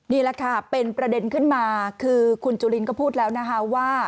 นี่แหละค่ะเป็นประเด็นขึ้นมาคือคุณจุลินก็พูดแล้วนะคะว่า